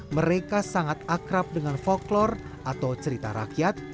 mereka sangat akrab dengan folklor atau cerita rakyat